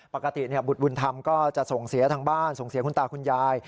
ปกติบุตรบุญธรรมก็จะส่งเสียทางบ้านส่งเสียคุณตาคุณยาย